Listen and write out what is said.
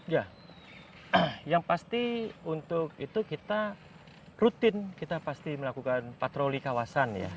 ya yang pasti untuk itu kita rutin kita pasti melakukan patroli kawasan ya